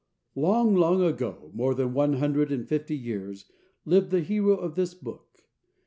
LONG, long ago, more than one hundred and fifty years, lived the hero of this book.